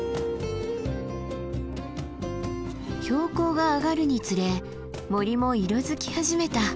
標高が上がるにつれ森も色づき始めた。